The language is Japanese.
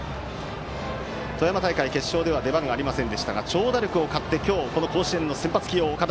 富山大会決勝では出番がありませんでしたが長打力をかって甲子園の先発起用です。